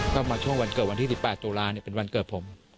ก็มาช่วงวันเกิดวันที่๑๘ตุลาเป็นวันเกิดผม